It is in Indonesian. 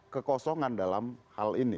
kekosongan dalam hal ini